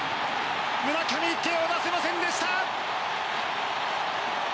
村上、手を出せませんでした。